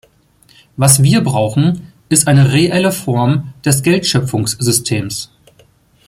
Was wir brauchen, ist eine reelle Form des Geldschöpfungssystems.